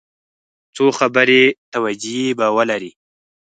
څو خبري توجیې به ولري.